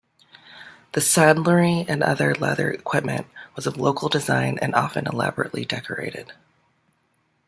The saddlery and other leather equipment was of local design and often elaborately decorated.